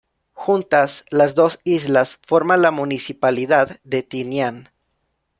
Juntas, las dos islas forman la Municipalidad de Tinian.